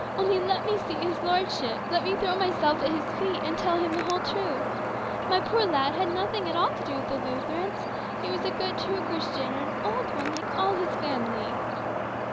Only let me see his lordship let me throw myself at his feet and tell him the whole truth. My poor lad had nothing at all to do with the Lutherans; he was a good, true Christian, and an old one, like all his family."